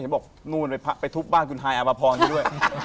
บอกนู่นไปทุบบ้านคุณฮายอภพรไปด้วย